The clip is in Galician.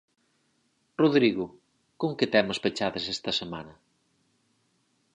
Rodrigo, con que temas pechades esta semana?